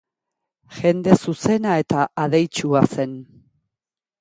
Jende zuzena eta adeitsua zen.